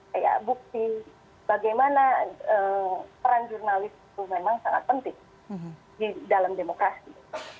kayak bukti bagaimana peran jurnalis itu memang sangat penting di dalam demokrasi